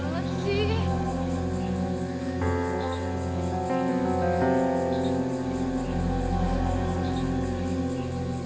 betul sekali kei